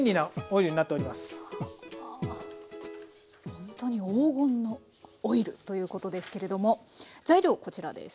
ほんとに黄金のオイルということですけれども材料こちらです。